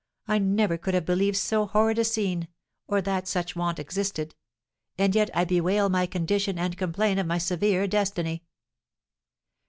I never could have believed so horrid a scene, or that such want existed; and yet I bewail my condition and complain of my severe destiny."